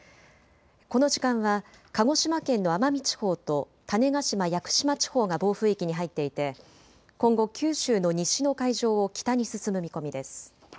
この時間は鹿児島県の奄美地方と種子島・屋久島地方が暴風域に入っていて今後、九州の西の海上を北に進む見込みです。